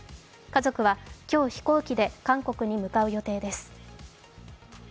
家族は今日、飛行機で韓国に向かう予定です。